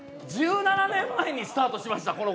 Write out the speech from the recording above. １７年前にスタートしました